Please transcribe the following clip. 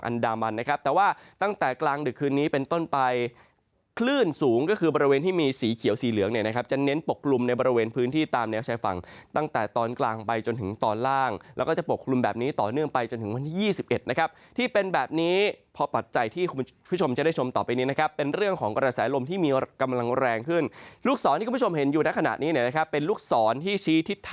แล้วก็จะปกปรุงแบบนี้ต่อเนื่องไปจนถึงวันที่๒๑